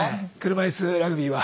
車いすラグビーは。